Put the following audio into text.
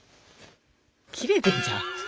切れてんじゃん。